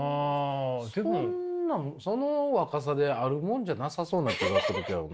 そんなんその若さであるもんじゃなさそうな気がするけどな。